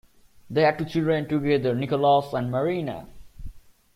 They had two children together: Nicolas and Marina.